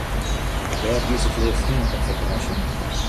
Wêr giest it leafst hinne op fakânsje?